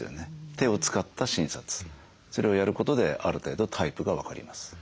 手を使った診察それをやることである程度タイプが分かります。